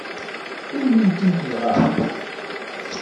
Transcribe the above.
Umnen-tent dɣa?